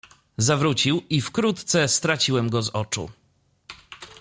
"Zawrócił i wkrótce straciłem go z oczu."